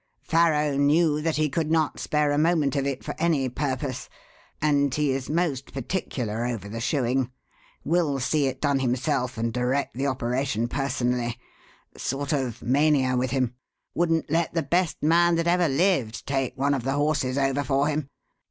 Farrow knew that he could not spare a moment of it for any purpose; and he is most particular over the shoeing. Will see it done himself and direct the operation personally. Sort of mania with him. Wouldn't let the best man that ever lived take one of the horses over for him.